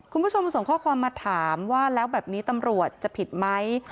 คุณผู้ชมส่งข้อความมาถามว่าแล้วแบบนี้ตำรวจจะผิดไหม